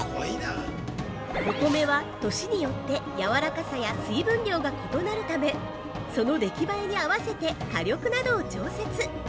◆お米は年によって軟かさや水分量が異なるため、そのできばえに合わせて火力などを調節！